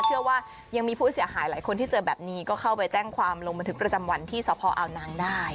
เชื่อว่ายังมีผู้เสียหายหลายคนที่เจอแบบนี้ก็เข้าไปแจ้งความลงบันทึกประจำวันที่สพอาวนางได้